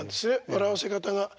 笑わせ方が。